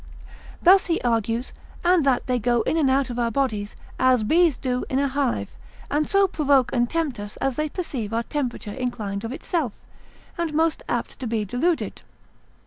Thus he argues, and that they go in and out of our bodies, as bees do in a hive, and so provoke and tempt us as they perceive our temperature inclined of itself, and most apt to be deluded.